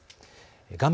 画面